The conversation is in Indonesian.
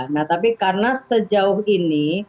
nah tapi karena sejauh ini